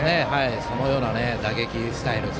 そのような打撃スタイル